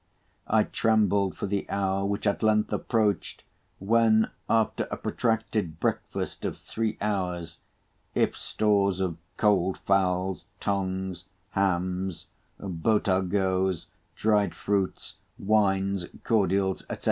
I trembled for the hour, which at length approached, when after a protracted breakfast of three hours—if stores of cold fowls, tongues, hams, botargoes, dried fruits, wines, cordials, &c.